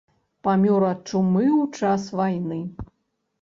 Памёр ад чумы ў час вайны.